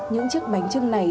những chiếc bánh trưng này